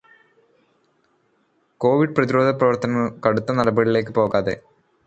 Covid പ്രതിരോധപ്രവർത്തങ്ങളിൽ കടുത്തനടപടികളിലേക്ക് പോകാതെ